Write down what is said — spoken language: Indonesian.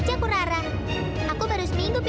sebentar lagi mau berakhir kok